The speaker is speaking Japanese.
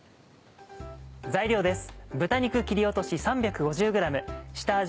材料です。